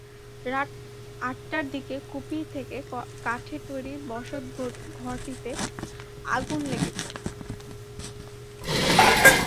রাত আটটার দিকে কুপি থেকে কাঠের তৈরি বসতঘরটিতে আগুন লেগে যায়।